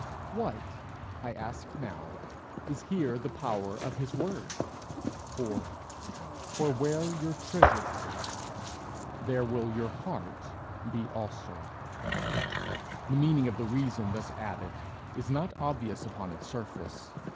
What, I ask now, is here the power of his word For: For where your treasure is, there will your heart be also? The meaning of the reason thus added is not obvious upon its surface.